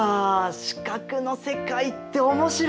視覚の世界って面白いね！